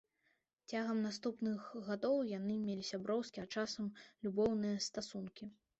Цягам наступных гадоў яны мелі сяброўскія, а часам любоўныя стасункі.